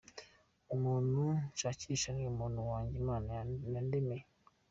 Umuntu nshakisha ni umuntu wanjye Imana yandemeye.